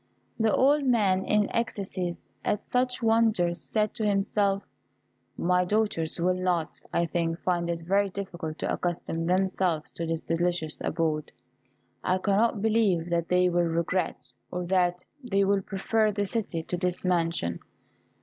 The old man, in ecstasies at such wonders, said to himself, "My daughters will not, I think, find it very difficult to accustom themselves to this delicious abode. I cannot believe that they will regret, or that they will prefer the city to this mansion.